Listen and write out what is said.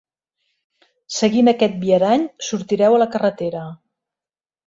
Seguint aquest viarany sortireu a la carretera.